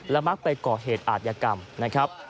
และมักไปก่อเหตุอาจยกรรมนะครับ